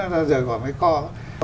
nó rời khỏi một cái kho